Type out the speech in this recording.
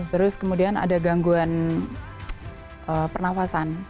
terus kemudian ada gangguan pernafasan